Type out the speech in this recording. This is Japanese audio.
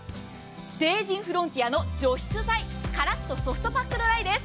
帝人フロンティアの除湿剤、乾っとソフトパックドライです。